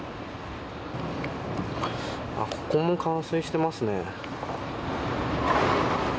ここも冠水してますね。